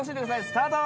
スタート！